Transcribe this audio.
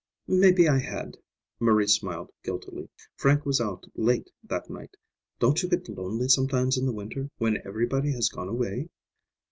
"Maybe I had," Marie smiled guiltily. "Frank was out late that night. Don't you get lonely sometimes in the winter, when everybody has gone away?"